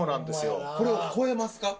これを超えますか？